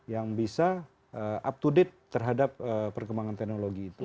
yang bisa up to date terhadap perkembangan teknologi itu